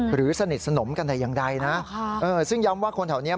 หรือสนิทสนมกันใดนะซึ่งย้ำว่าคนแถวนี้